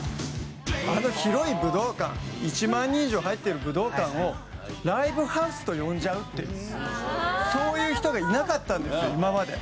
１万人以上入っている武道館を「ライブハウス」と呼んじゃうっていうそういう人がいなかったんですよ今まで。